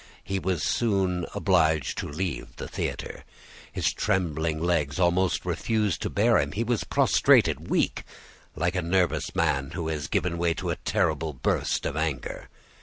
He was soon obliged to leave the theatre. His trembling legs almost refused to bear him. He was prostrated, weak, like a nervous man who has given way to a terrible burst of anger.